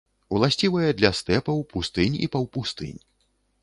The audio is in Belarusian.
Уласцівыя для стэпаў, пустынь і паўпустынь.